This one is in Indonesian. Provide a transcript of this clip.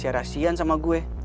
siar siar sama gue